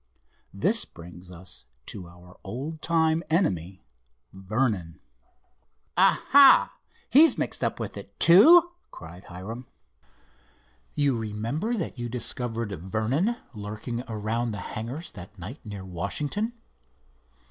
This brings us to our old time enemy, Vernon." "Aha! he's mixed up with it, too?" cried Hiram. "You remember that you discovered Vernon lurking around the hangars that night near Washington?"